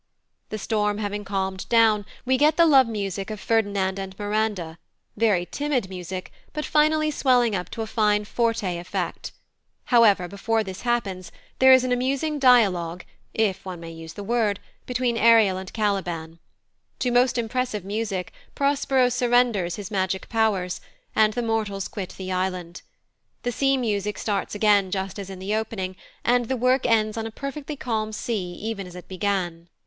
The storm having calmed down, we get the love music of Ferdinand and Miranda very timid music, but finally swelling up to a fine forte effect; however, before this happens there is an amusing dialogue (if one may use the word) between Ariel and Caliban. To most impressive music, Prospero surrenders his magic powers, and the mortals quit the island. The sea music starts again just as in the opening, and the work ends on a perfectly calm sea even as it began.